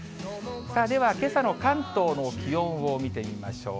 では、けさの関東の気温を見てみましょう。